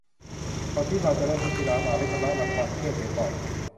ก่อนที่เราจะเริ่มพิธีล้างบาป ให้ชำระหลักความเชื่อเสียก่อน